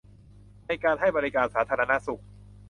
ในการให้บริการสาธารณสุข